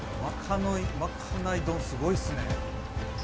まかない丼すごいっすね。